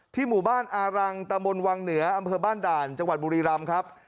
หมู่บ้านอารังตะมนต์วังเหนืออำเภอบ้านด่านจังหวัดบุรีรำครับ